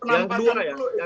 yang kedua ya